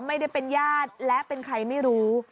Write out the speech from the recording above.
ไม่ได้เป็นญาติและเป็นใครไม่รู้